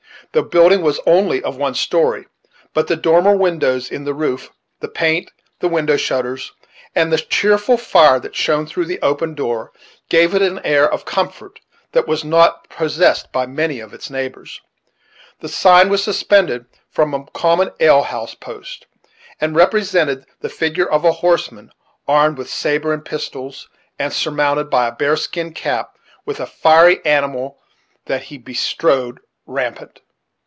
The building was only of one story; but the dormer windows in the roof, the paint, the window shutters, and the cheerful fire that shone through the open door, gave it an air of comfort that was not possessed by many of its neighbors. The sign was suspended from a common ale house post, and represented the figure of a horseman, armed with sabre and pistols, and surmounted by a bear skin cap, with a fiery animal that he bestrode "rampant."